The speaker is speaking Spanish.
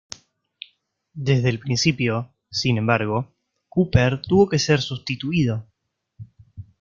Desde el principio, sin embargo, Cooper tuvo que ser sustituido.